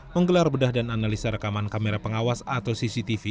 menggelar bedah dan analisa rekaman kamera pengawas atau cctv